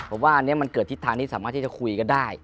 ผมว่าอันนี้มันเกิดทิศทางที่สามารถที่จะคุยกันได้